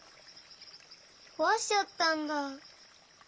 こわしちゃったんだ。